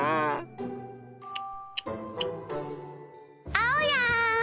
・あおやん！